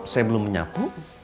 saya belum menyapu